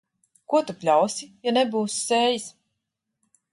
Ko tu pļausi, ja nebūsi sējis.